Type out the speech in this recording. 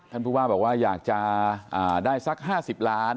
ผู้ว่าบอกว่าอยากจะได้สัก๕๐ล้าน